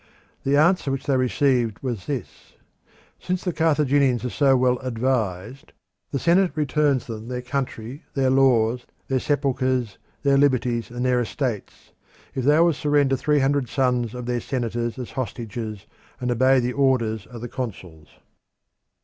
The answer which they received was this: "Since the Carthaginians are so well advised, the senate returns them their country, their laws, their sepulchres, their liberties, and their estates, if they will surrender three hundred sons of their senators as hostages, and obey the orders of the consuls."